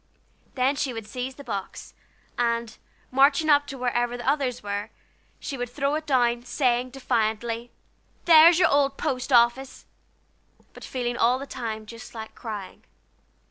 Then she would seize the box, and, marching up to wherever the others were, she would throw it down, saying, defiantly: "There's your old post office!" but feeling all the time just like crying.